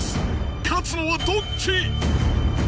勝つのはどっち！？